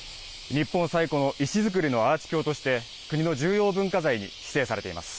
日本最古の石造りのアーチ橋として、国の重要文化財に指定されています。